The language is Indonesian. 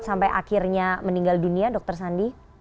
sampai akhirnya meninggal dunia dokter sandi